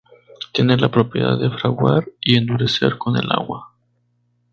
Tiene la propiedad de fraguar y endurecer con el agua.